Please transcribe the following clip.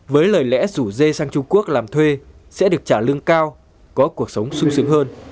với lời lẽ rủ dê sang trung quốc làm thuê sẽ được trả lương cao có cuộc sống sung sướng hơn